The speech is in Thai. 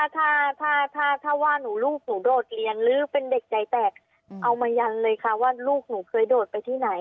ถ้าถ้าว่าลูกหนูโดดเรียนหรือเป็นเด็กใจแตกเอามายันเลยค่ะว่าลูกหนูเคยโดดไปที่ไหน